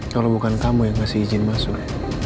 kalau bukan kamu yang kasih izin masuk